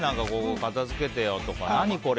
片付けてよとか何これ？